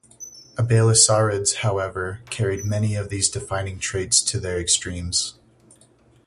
Abelisaurids, however, carried many of these defining traits to their extremes.